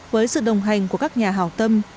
với sự đồng hành của các nhà hào tâm